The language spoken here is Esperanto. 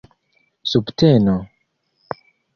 subteno